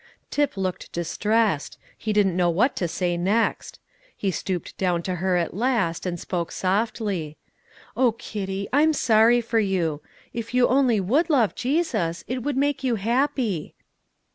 Tip looked distressed; he didn't know what to say next; he stooped down to her at last, and spoke softly: "Oh, Kitty, I'm sorry for you! if you only would love Jesus, it would make you happy."